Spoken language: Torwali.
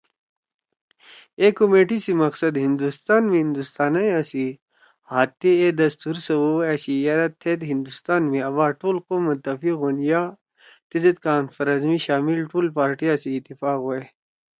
اے کمیٹی سی مقصد ہندوستان می ہندوستانیآ سی ہات تے اے دستور سوَؤ أشی یرأ تیزید ہندوستان می آباد ٹول قوم متفق ہوَن یا تیزید کانفرنس می شامل ٹول پارٹیاں سی اتفاق ہوئے